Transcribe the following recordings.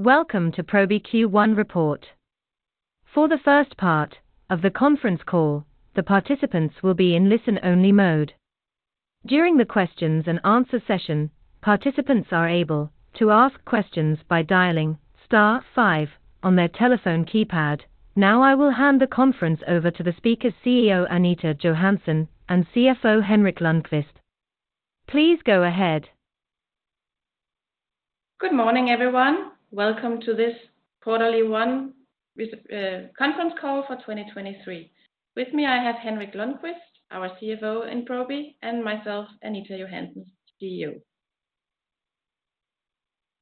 Welcome to Probi Q1 report. For the first part of the conference call, the participants will be in listen only mode. During the questions and answer session, participants are able to ask questions by dialing star five on their telephone keypad. I will hand the conference over to the speakers CEO, Anita Johansen, and CFO, Henrik Lundkvist. Please go ahead. Good morning, everyone. Welcome to this quarterly one with conference call for 2023. With me, I have Henrik Lundkvist, our CFO in Probi, and myself, Anita Johansen, CEO.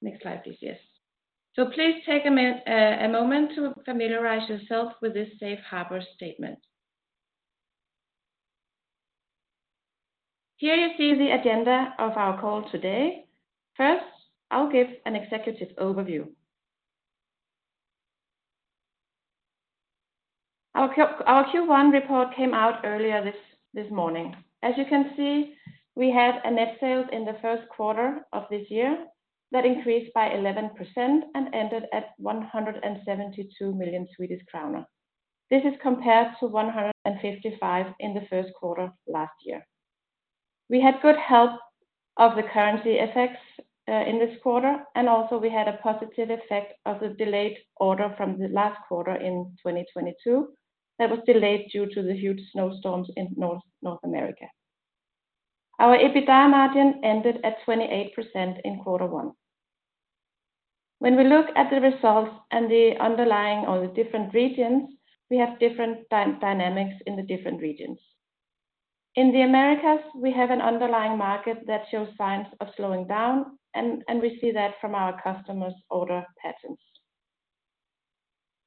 Next slide, please. Yes. Please take a moment to familiarize yourself with this safe harbor statement. Here you see the agenda of our call today. First, I'll give an executive overview. Our Q-Q1 report came out earlier this morning. As you can see, we had a net sales in the first quarter of this year that increased by 11% and ended at 172 million Swedish kronor. This is compared to 155 million in the first quarter last year. We had good help of the currency effects in this quarter. Also we had a positive effect of the delayed order from the last quarter in 2022 that was delayed due to the huge snowstorms in North America. Our EBITDA margin ended at 28% in quarter one. When we look at the results and the underlying or the different regions, we have different dynamics in the different regions. In the Americas, we have an underlying market that shows signs of slowing down, and we see that from our customers' order patterns.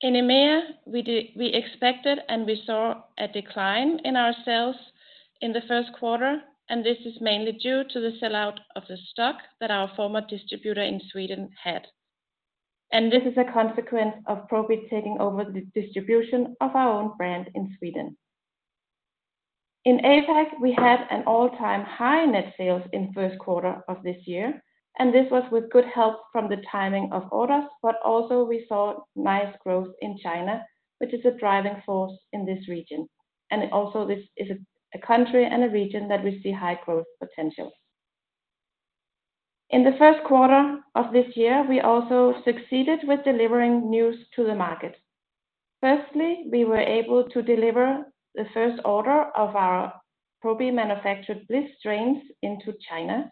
In EMEA, we expected and we saw a decline in our sales in the first quarter. This is mainly due to the sell-out of the stock that our former distributor in Sweden had. This is a consequence of Probi taking over the distribution of our own brand in Sweden. In APAC, we had an all-time high net sales in first quarter of this year. This was with good help from the timing of orders. Also we saw nice growth in China, which is a driving force in this region. Also this is a country and a region that we see high growth potential. In the 1st quarter of this year, we also succeeded with delivering news to the market. Firstly, we were able to deliver the 1st order of our Probi manufactured BLIS strains into China.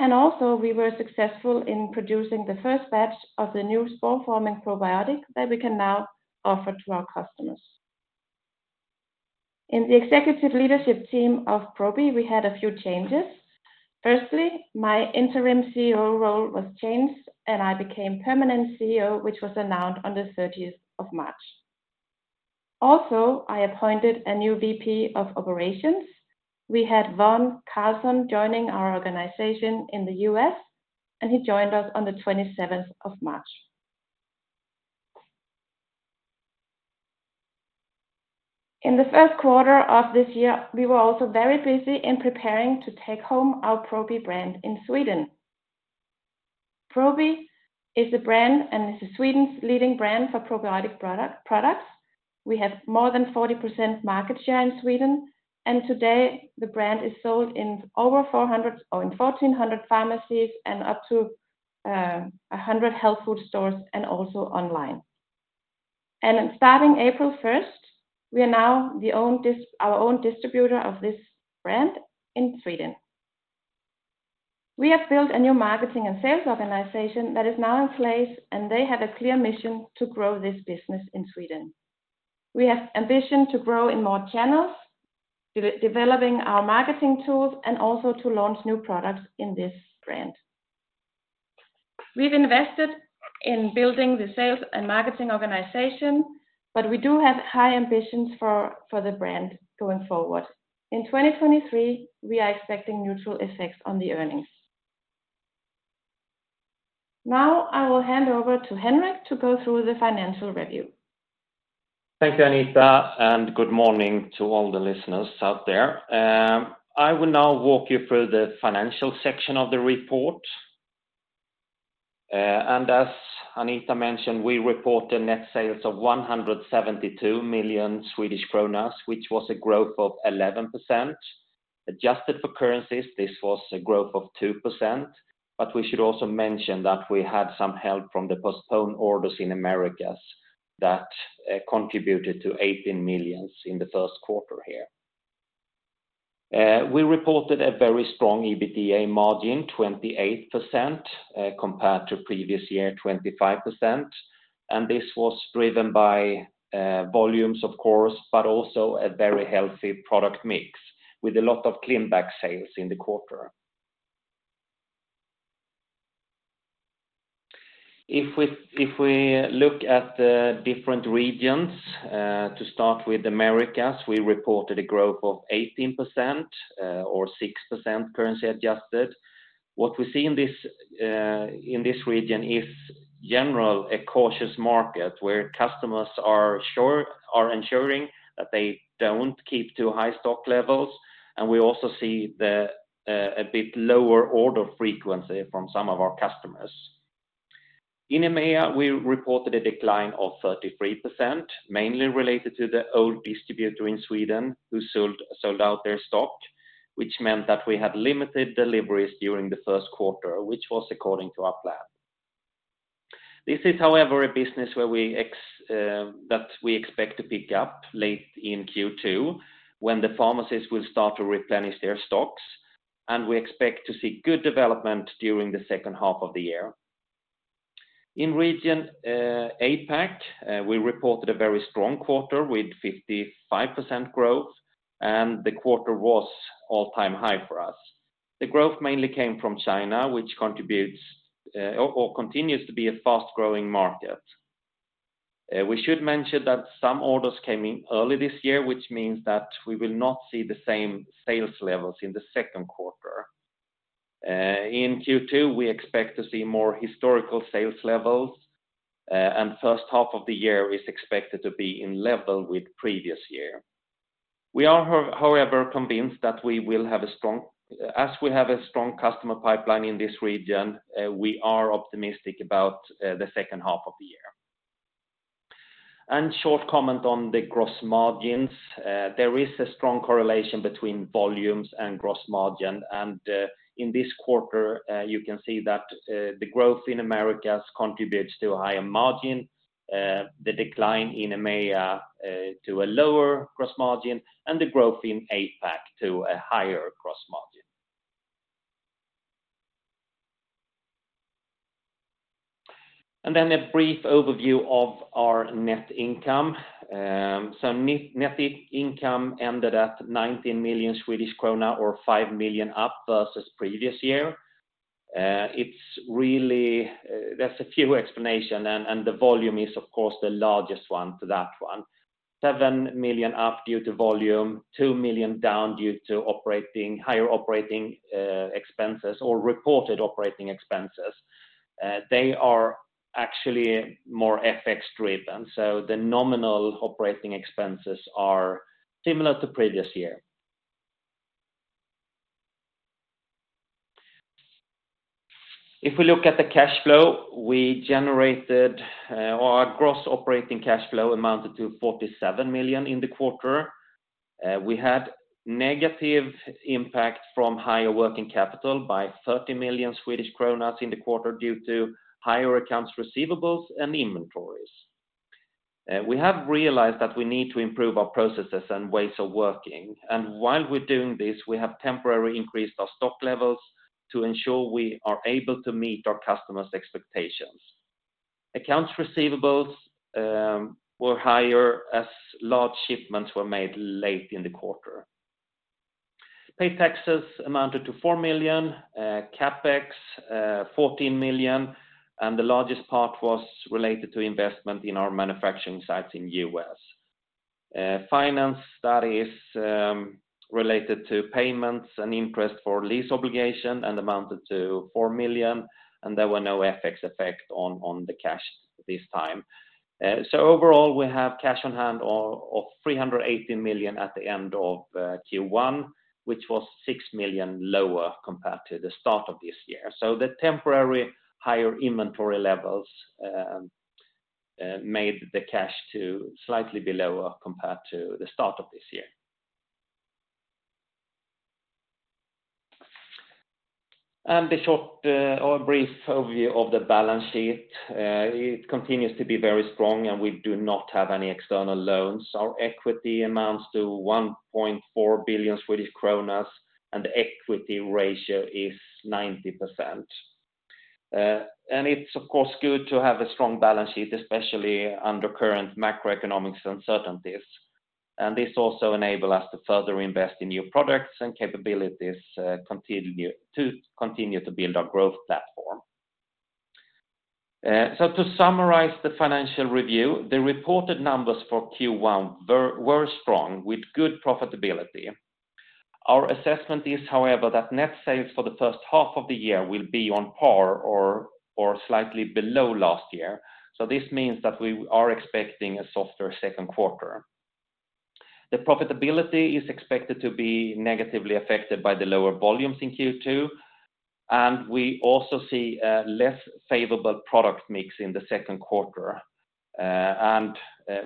Also we were successful in producing the 1st batch of the new spore-forming probiotic that we can now offer to our customers. In the executive leadership team of Probi, we had a few changes. Firstly, my interim CEO role was changed and I became permanent CEO, which was announced on the 30th of March. I appointed a new VP of Operations. We had Vaughn Carlson joining our organization in the U.S., and he joined us on the 27th of March. In the first quarter of this year, we were also very busy in preparing to take home our Probi brand in Sweden. Probi is a brand and is Sweden's leading brand for probiotic products. We have more than 40% market share in Sweden, and today the brand is sold in over 400 or in 1,400 pharmacies and up to 100 health food stores and also online. Starting April 1st, we are now our own distributor of this brand in Sweden. We have built a new marketing and sales organization that is now in place, and they have a clear mission to grow this business in Sweden. We have ambition to grow in more channels, de-developing our marketing tools and also to launch new products in this brand. We've invested in building the sales and marketing organization, but we do have high ambitions for the brand going forward. In 2023, we are expecting neutral effects on the earnings. Now, I will hand over to Henrik to go through the financial review. Thank you, Anita Johansen, and good morning to all the listeners out there. I will now walk you through the financial section of the report. As Anita Johansen mentioned, we report a net sale of 172 million Swedish kronor, which was a growth of 11%. Adjusted for currencies, this was a growth of 2%. We should also mention that we had some help from the postponed orders in Americas that contributed to 18 million in the first quarter here. We reported a very strong EBITDA margin, 28%, compared to previous year, 25%. This was driven by volumes of course, but also a very healthy product mix with a lot of clean label sales in the quarter. If we look at the different regions, to start with Americas, we reported a growth of 18%, or 6% currency adjusted. What we see in this region is general, a cautious market where customers are ensuring that they don't keep too high stock levels. We also see the a bit lower order frequency from some of our customers. In EMEA, we reported a decline of 33%, mainly related to the old distributor in Sweden who sold out their stock, which meant that we had limited deliveries during the first quarter, which was according to our plan. This is however, a business where we expect to pick up late in Q2 when the pharmacies will start to replenish their stocks, and we expect to see good development during the second half of the year. In region, APAC, we reported a very strong quarter with 55% growth, and the quarter was all-time high for us. The growth mainly came from China, which contributes, or continues to be a fast-growing market. We should mention that some orders came in early this year, which means that we will not see the same sales levels in the second quarter. In Q2, we expect to see more historical sales levels, and first half of the year is expected to be in level with previous year. We are, however, convinced that we will have a strong... As we have a strong customer pipeline in this region, we are optimistic about the second half of the year. Short comment on the gross margins. There is a strong correlation between volumes and gross margin. In this quarter, you can see that the growth in Americas contributes to a higher margin, the decline in EMEA, to a lower gross margin, and the growth in APAC to a higher gross margin. A brief overview of our net income. Net income ended at 19 million Swedish krona or 5 million up versus previous year. There's a few explanation and the volume is of course the largest one to that one. 7 million up due to volume, 2 million down due to operating, higher operating expenses or reported operating expenses. They are actually more FX-driven, so the nominal operating expenses are similar to previous year. If we look at the cash flow we generated, or our gross operating cash flow amounted to 47 million in the quarter. We had negative impact from higher working capital by 30 million Swedish kronor in the quarter due to higher accounts receivables and inventories. We have realized that we need to improve our processes and ways of working. While we're doing this, we have temporarily increased our stock levels to ensure we are able to meet our customers' expectations. Accounts receivables were higher as large shipments were made late in the quarter. Paid taxes amounted to 4 million, CapEx 14 million, and the largest part was related to investment in our manufacturing sites in the U.S. Finance studies related to payments and interest for lease obligation amounted to 4 million. There were no FX effect on the cash this time. Overall, we have cash on hand of 380 million at the end of Q1, which was 6 million lower compared to the start of this year. The temporary higher inventory levels made the cash to slightly be lower compared to the start of this year. The short or brief overview of the balance sheet. It continues to be very strong, and we do not have any external loans. Our equity amounts to 1.4 billion Swedish kronor and equity ratio is 90%. It's of course good to have a strong balance sheet, especially under current macroeconomics uncertainties. This also enable us to further invest in new products and capabilities to continue to build our growth platform. To summarize the financial review, the reported numbers for Q1 were strong with good profitability. Our assessment is, however, that net sales for the first half of the year will be on par or slightly below last year. This means that we are expecting a softer second quarter. The profitability is expected to be negatively affected by the lower volumes in Q2, and we also see a less favorable product mix in the second quarter.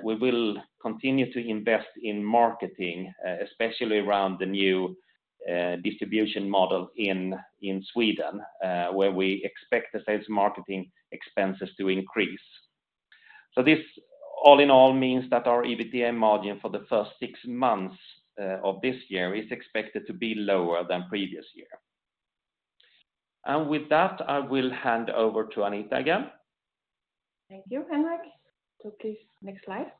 We will continue to invest in marketing, especially around the new distribution model in Sweden, where we expect the sales marketing expenses to increase. This all in all means that our EBITDA margin for the first six months of this year is expected to be lower than previous year. With that, I will hand over to Anita again. Thank you, Henrik. Please next slide.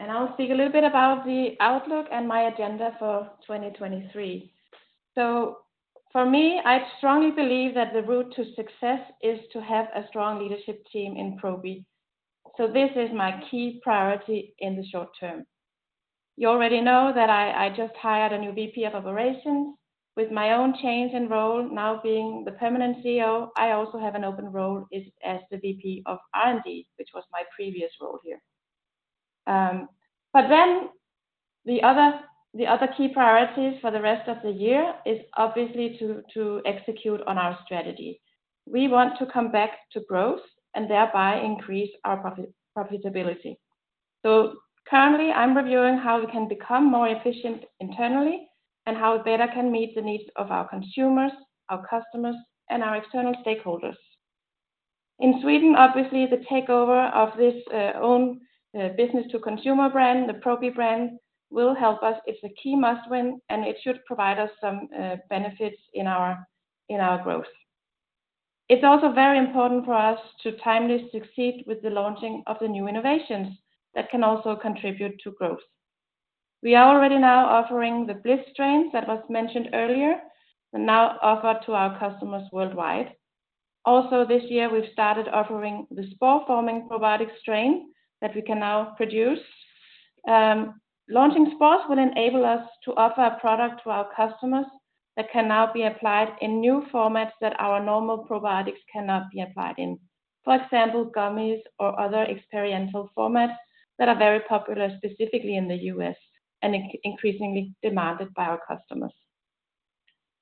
I'll speak a little bit about the outlook and my agenda for 2023. For me, I strongly believe that the route to success is to have a strong leadership team in Probi. This is my key priority in the short term. You already know that I just hired a new VP of Operations. With my own change in role now being the permanent CEO, I also have an open role as the VP of R&D, which was my previous role here. The other key priorities for the rest of the year is obviously to execute on our strategy. We want to come back to growth and thereby increase our profitability. Currently, I'm reviewing how we can become more efficient internally and how better can meet the needs of our consumers, our customers, and our external stakeholders. In Sweden, obviously, the takeover of this own business to consumer brand, the Probi brand, will help us. It's a key must-win, and it should provide us some benefits in our growth. It's also very important for us to timely succeed with the launching of the new innovations that can also contribute to growth. We are already now offering the BLIS strains that was mentioned earlier and now offered to our customers worldwide. Also this year, we've started offering the spore-forming probiotic strain that we can now produce. Launching spores will enable us to offer a product to our customers that can now be applied in new formats that our normal probiotics cannot be applied in. For example, gummies or other experiential formats that are very popular, specifically in the U.S., and increasingly demanded by our customers.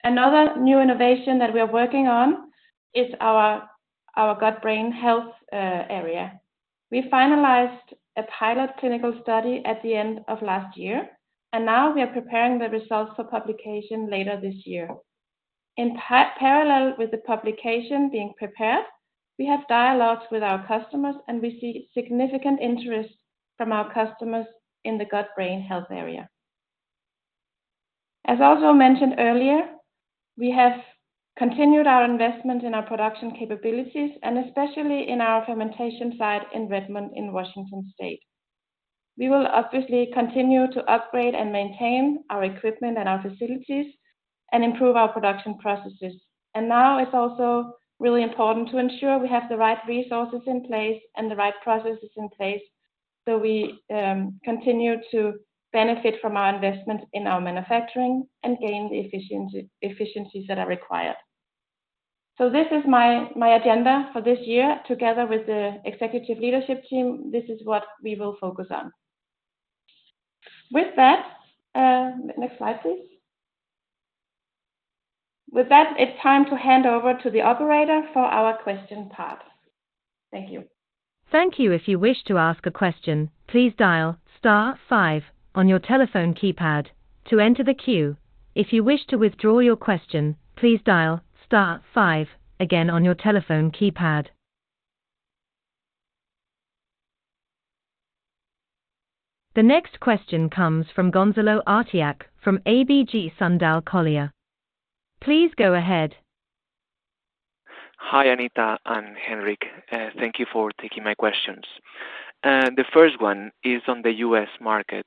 Another new innovation that we are working on is our gut-brain health area. We finalized a pilot clinical study at the end of last year, now we are preparing the results for publication later this year. Parallel with the publication being prepared, we have dialogues with our customers, we see significant interest from our customers in the gut-brain health area. As also mentioned earlier, we have continued our investment in our production capabilities, especially in our fermentation site in Redmond, in Washington State. We will obviously continue to upgrade and maintain our equipment and our facilities and improve our production processes. Now it's also really important to ensure we have the right resources in place and the right processes in place, so we continue to benefit from our investment in our manufacturing and gain the efficiencies that are required. This is my agenda for this year. Together with the executive leadership team, this is what we will focus on. Next slide, please. It's time to hand over to the operator for our question part. Thank you. Thank you. If you wish to ask a question, please dial star five on your telephone keypad to enter the queue. If you wish to withdraw your question, please dial star five again on your telephone keypad. The next question comes from Gonzalo Artiach from ABG Sundal Collier. Please go ahead. Hi, Anita and Henrik. Thank you for taking my questions. The first one is on the US market.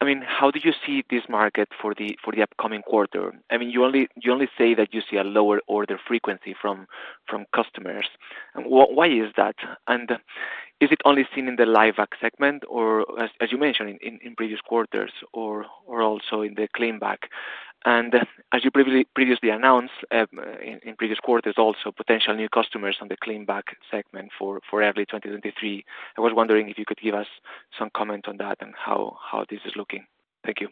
I mean, how do you see this market for the upcoming quarter? I mean, you only say that you see a lower order frequency from customers. Why is that? Is it only seen in the LiveBac segment or as you mentioned in previous quarters or also in the clean label? As you previously announced in previous quarters, also potential new customers on the clean label segment for 2023. I was wondering if you could give us some comment on that and how this is looking. Thank you.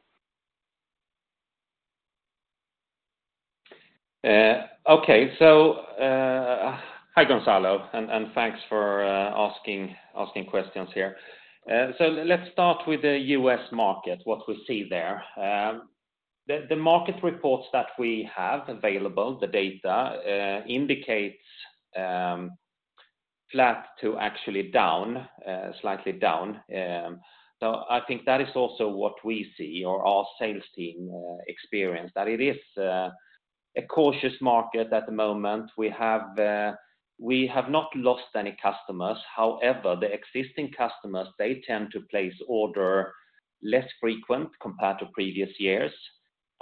Okay. Hi, Gonzalo, and thanks for asking questions here. Let's start with the U.S. market, what we see there. The market reports that we have available, the data, indicates flat to actually down, slightly down. I think that is also what we see or our sales team experience, that it is a cautious market at the moment. We have not lost any customers. However, the existing customers, they tend to place order less frequent compared to previous years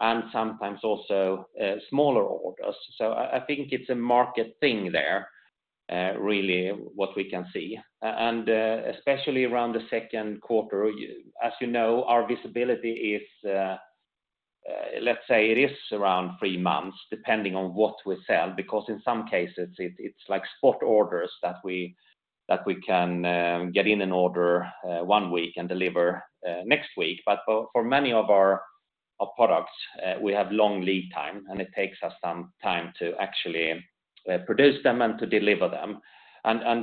and sometimes also smaller orders. I think it's a market thing there, really what we can see, especially around the second quarter. As you know, our visibility is, let's say it is around three months, depending on what we sell, because in some cases it's like spot orders that we, that we can get in an order 1 week and deliver next week. For many of our products, we have long lead time, and it takes us some time to actually produce them and to deliver them.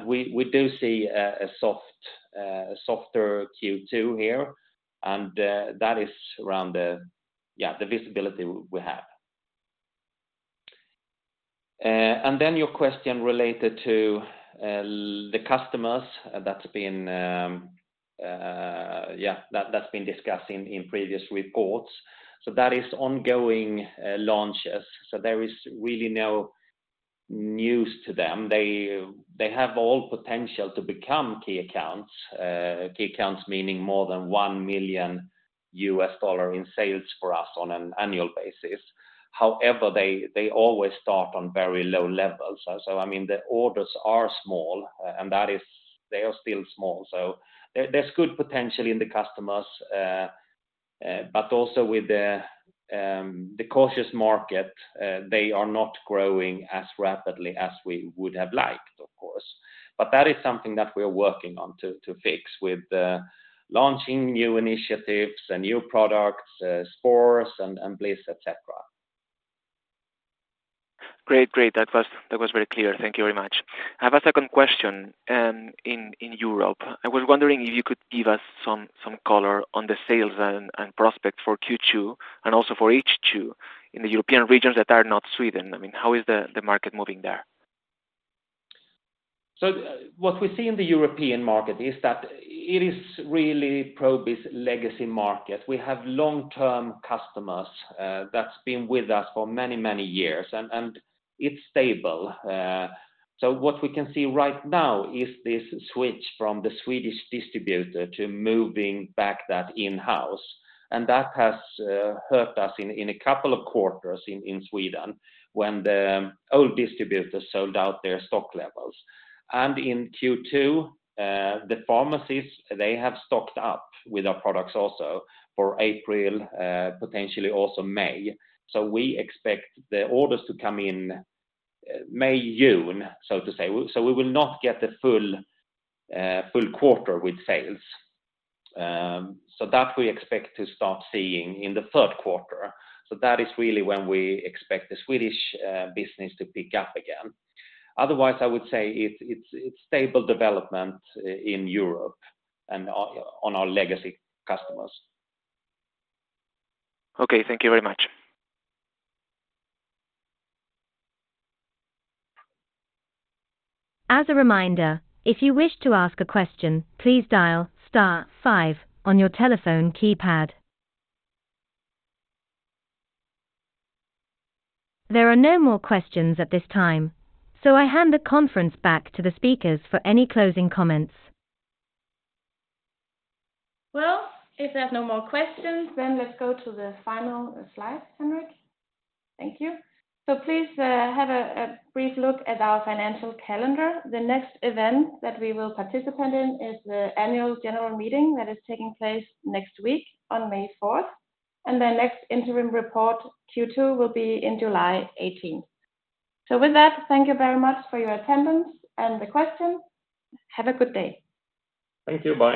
We do see a softer Q2 here, that is around the visibility we have. Your question related to the customers that's been discussed in previous reports. That is ongoing launches. There is really no news to them. They have all potential to become key accounts. Key accounts meaning more than $1 million in sales for us on an annual basis. They always start on very low levels. I mean, the orders are small, and that is... they are still small. There's good potential in the customers, but also with the cautious market, they are not growing as rapidly as we would have liked, of course. That is something that we are working on to fix with the launching new initiatives and new products, sports and BLIS, et cetera. Great. Great. That was very clear. Thank you very much. I have a second question, in Europe. I was wondering if you could give us some color on the sales and prospects for Q2 and also for H2 in the European regions that are not Sweden. I mean, how is the market moving there? What we see in the European market is that it is really Probi's legacy market. We have long-term customers that's been with us for many, many years, and it's stable. What we can see right now is this switch from the Swedish distributor to moving back that in-house. That has hurt us in a couple of quarters in Sweden when the old distributors sold out their stock levels. In Q2, the pharmacies, they have stocked up with our products also for April, potentially also May. We expect the orders to come in May, June, so to say. We will not get the full quarter with sales. That we expect to start seeing in the third quarter. That is really when we expect the Swedish business to pick up again. Otherwise, I would say it's stable development in Europe and on our legacy customers. Okay. Thank you very much. As a reminder, if you wish to ask a question, please dial star five on your telephone keypad. There are no more questions at this time, I hand the conference back to the speakers for any closing comments. If there are no more questions, then let's go to the final slide, Henrik. Thank you. Please have a brief look at our financial calendar. The next event that we will participant in is the annual general meeting that is taking place next week on May 4th, and the next interim report, Q2, will be in July 18th. With that, thank you very much for your attendance and the questions. Have a good day. Thank you. Bye.